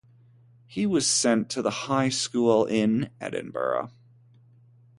He was sent to the High School in Edinburgh.